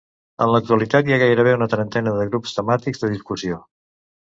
En l'actualitat hi ha gairebé una trentena de grups temàtics de discussió.